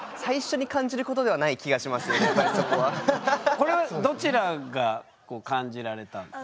これはどちらが感じられたんですか？